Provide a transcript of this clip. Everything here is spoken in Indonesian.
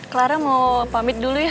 clara mau pamit dulu ya